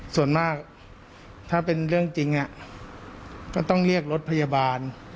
ส่วนมากถ้าเป็นเรื่องจริงก็ต้องเรียกรถพยาบาล